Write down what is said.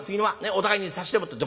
お互いに差しでもって。